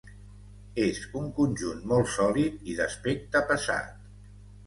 És un conjunt molt sòlid i d'aspecte pesat.